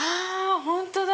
本当だ！